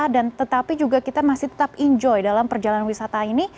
dan tetapi juga kita masih tetap enjoy dalam perjalanan wisata ini